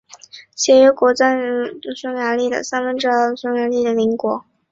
协约国在特里亚农条约剥夺了匈牙利的三分之二领土给匈牙利的邻国。